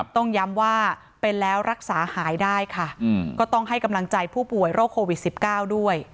ต้องย้ำว่าเป็นแล้วรักษาหายได้ค่ะก็ต้องให้กำลังใจผู้ป่วยโรคโควิด๑๙ด้วย